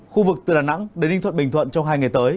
khu vực từ đà nẵng đến ninh thuận bình thuận trong hai ngày tới